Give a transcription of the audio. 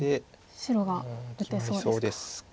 白が打てそうですか。